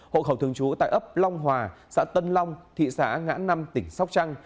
hộ khẩu thường trú tại ấp long hòa xã tân long thị xã ngã năm tỉnh sóc trăng